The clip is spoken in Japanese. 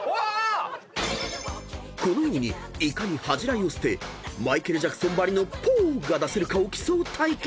［このようにいかに恥じらいを捨てマイケル・ジャクソンばりの「ぽー」が出せるかを競う対決］